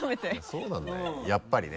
そうなんだよやっぱりね。